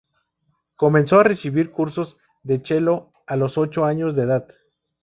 Comenzó a recibir cursos de chelo a los ocho años de edad.